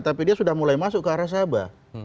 tapi dia sudah mulai masuk ke arah sabah